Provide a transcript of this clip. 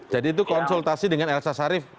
jadi itu konsultasi dengan elsa sarif